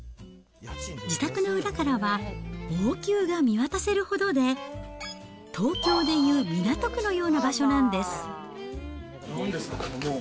自宅の裏からは王宮が見渡せるほどで、東京でいう港区のような場なんですか、この門。